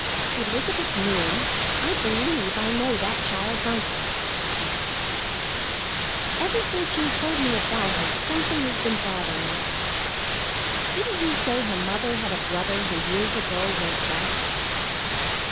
"Elizabeth Moon, I believe I know that child's uncle," she said. "Ever since you told me about her something has been bothering me. Didn't you say her mother had a brother who years ago went West?"